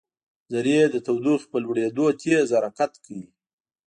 ذرې د تودوخې په لوړېدو تېز حرکت کوي.